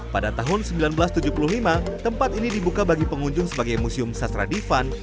pada tahun seribu sembilan ratus tujuh puluh lima tempat ini dibuka bagi pengunjung sebagai museum sastra di fun